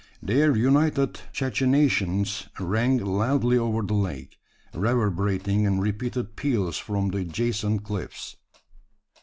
Their united cachinnations rang loudly over the lake reverberating in repeated peals from the adjacent cliffs.